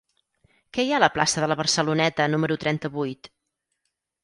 Què hi ha a la plaça de la Barceloneta número trenta-vuit?